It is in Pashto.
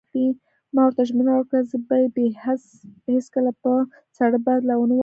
ما ورته ژمنه وکړه: زه به یې هېڅکله په ساړه باد لا ونه وهم.